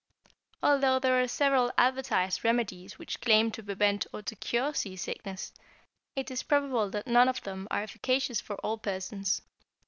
= Although there are several advertised remedies which claim to prevent or to cure seasickness, it is probable that none of them are efficacious for all persons.